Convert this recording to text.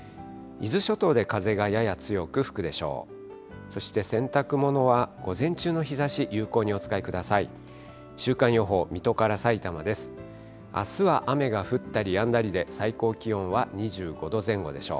伊豆諸島で風がやや強く吹くでしょう。